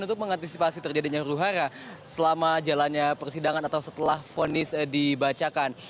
untuk mengantisipasi terjadinya ruhara selama jalannya persidangan atau setelah fonis dibacakan